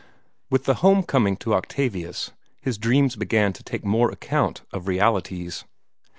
With the homecoming to Octavius, his dreams began to take more account of realities.